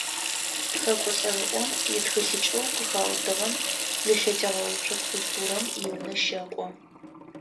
Тхэкӏо цӏэрыӏом итхылъыкӏэу къыхаутыгъэм илъэтегъэуцо культурэм и Унэ щэкӏо.